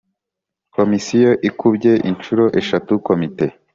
Komisiyo ikubye inshuro eshatu komite.